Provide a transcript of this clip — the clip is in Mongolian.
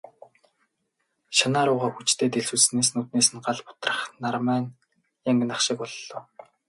Шанаа руугаа хүчтэй дэлсүүлснээс нүднээс нь гал бутран, нармай нь янгинах шиг болно.